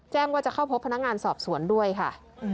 แจ้งว่าจะเข้าพบพนักงานสอบสวนด้วยค่ะ